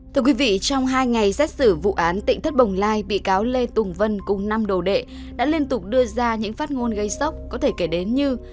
thưa quý vị trong hai ngày xét xử vụ án tỉnh thất bồng lai bị cáo lê tùng vân cùng năm đầu đệ đã liên tục đưa ra những phát ngôn gây sốc có thể kể đến như